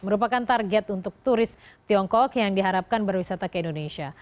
merupakan target untuk turis tiongkok yang diharapkan berwisata ke indonesia